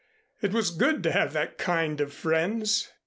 It was good to have that kind of friends.